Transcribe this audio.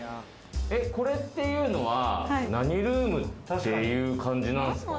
これっていうのは、何ルームっていう感じなんすか？